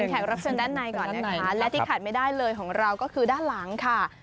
แขกรับเชิญด้านในก่อนนะคะและที่ขาดไม่ได้เลยของเราก็คือด้านหลังค่ะ